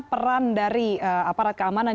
peran dari aparat keamanan